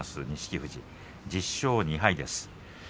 富士は１０勝２敗です。